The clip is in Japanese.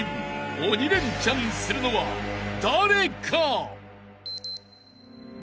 ［鬼レンチャンするのは誰か？］